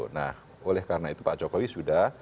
nah oleh karena itu pak jokowi sudah